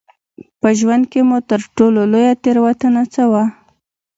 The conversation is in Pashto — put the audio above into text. په ژوند کې مو تر ټولو لویه تېروتنه څه وه؟